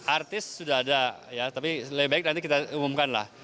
artis sudah ada ya tapi lebih baik nanti kita umumkan lah